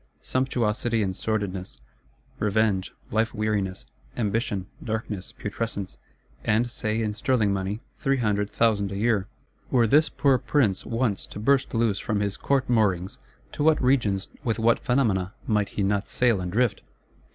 Sumptuosity and sordidness; revenge, life weariness, ambition, darkness, putrescence; and, say, in sterling money, three hundred thousand a year,—were this poor Prince once to burst loose from his Court moorings, to what regions, with what phenomena, might he not sail and drift!